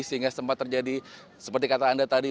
sehingga sempat terjadi seperti kata anda tadi